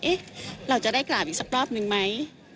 เราจะได้กราบอีกสักรอบนึงไหม